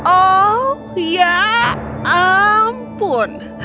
oh ya ampun